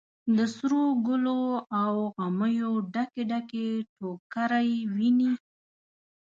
د سروګلو او غمیو ډکې، ډکې ټوکرۍ ویني